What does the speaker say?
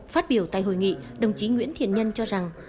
phát biểu tại hội nghị đồng chí nguyễn thiện nhân cho rằng